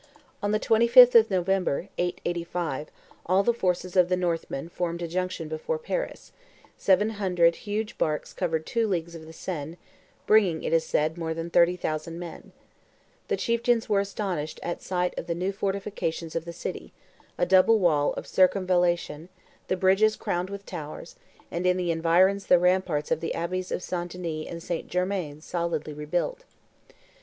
[Illustration: PARIS BESIEGED BY THE NORMANS 259] On the 25th of November, 885, all the forces of the North men formed a junction before Paris; seven hundred huge barks covered two leagues of the Seine, bringing, it is said, more than thirty thousand men. The chieftains were astonished at sight of the new fortifications of the city, a double wall of circumvallation, the bridges crowned with towers, and in the environs the ramparts of the abbeys of St. Denis and St. Germain solidly rebuilt.